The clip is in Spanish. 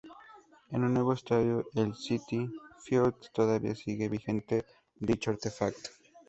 En el nuevo estadio, el Citi Field, todavía sigue vigente dicho artefacto.